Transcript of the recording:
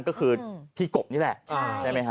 ก็คือพี่กบนี่แหละใช่ไหมฮ